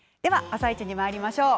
「あさイチ」にまいりましょう。